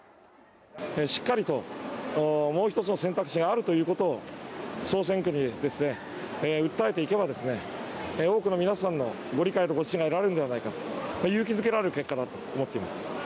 しっかりともう一つの選択肢があるということを、総選挙で訴えていけば、多くの皆さんのご理解とご支持が得られるんじゃないかと、勇気づけられる結果だと思っています。